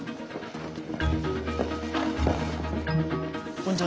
こんにちは。